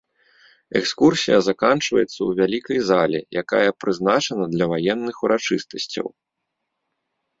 Экскурсія заканчваецца ў вялікай зале, якая прызначана для ваенных урачыстасцяў.